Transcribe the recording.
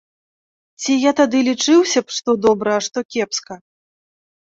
Ці я тады лічыўся б што добра, а што кепска?